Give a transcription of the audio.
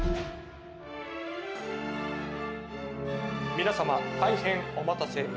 皆様大変お待たせいたしました。